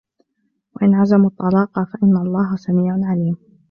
وَإِنْ عَزَمُوا الطَّلَاقَ فَإِنَّ اللَّهَ سَمِيعٌ عَلِيمٌ